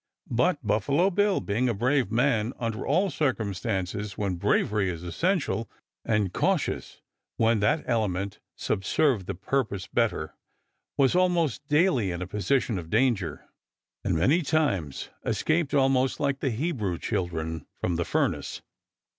But Buffalo Bill, being a brave man under all circumstances when bravery is essential and cautious when that element subserved the purpose better, was almost daily in a position of danger, and many times escaped almost like the Hebrew children from the furnace.